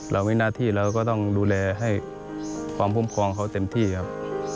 มีหน้าที่เราก็ต้องดูแลให้ความคุ้มครองเขาเต็มที่ครับ